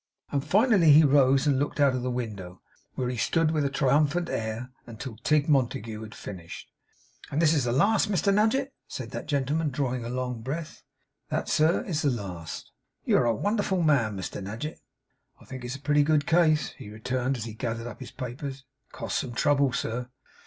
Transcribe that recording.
And finally he rose and looked out of the window, where he stood with a triumphant air until Tigg Montague had finished. 'And this is the last, Mr Nadgett!' said that gentleman, drawing a long breath. 'That, sir, is the last.' 'You are a wonderful man, Mr Nadgett!' 'I think it is a pretty good case,' he returned as he gathered up his papers. 'It cost some trouble, sir.